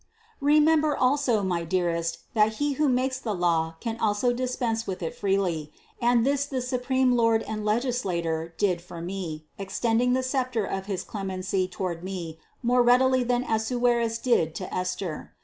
Remember also, my dearest, that he who makes the law 276 CITY OF GOD can also dispense with it freely, and this the supreme Lord and Legislator did with me, extending the sceptre of his clemency toward me more readily than Assuerus did to Esther.